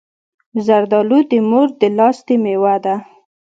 زردالو د مور د لاستی مېوه ده.